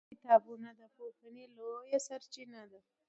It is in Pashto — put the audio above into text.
کتابونه د پوهې لویه سرچینه ده